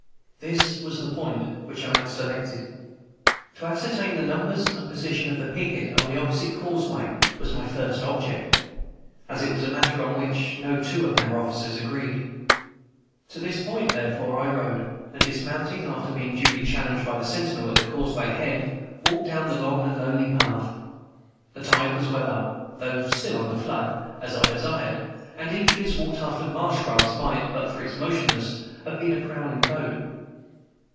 This was the point which I had selected. To ascertain the numbers and position of the picket on the opposite causeway was my first object, as it was a matter on which no two of our officers agreed. To this point, therefore, I rode, and dismounting, after being duly challenged by the sentinel at the causeway head, walked down the long and lonely path. The tide was well up, though still on the flood, as I desired; and each visible tuft of marsh grass might, but for its motionlessness, have been a prowling boat.